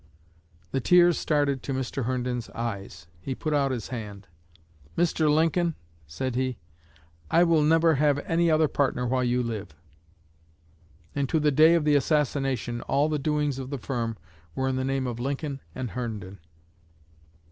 The tears started to Mr. Herndon's eyes. He put out his hand. "Mr. Lincoln," said he, "I will never have any other partner while you live"; and to the day of the assassination all the doings of the firm were in the name of "Lincoln & Herndon."